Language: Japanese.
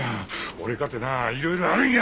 俺かてないろいろあるんや！